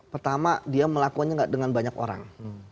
pertama dia melakukannya gak dengan banyak orang